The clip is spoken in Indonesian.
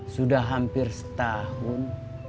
sudah hampir setahun